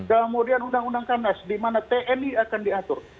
kemudian undang undang kanas di mana tni akan diatur